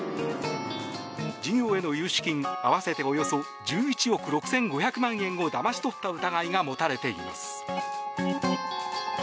事業への融資金合わせておよそ１１億６５００万円をだまし取った疑いが持たれています。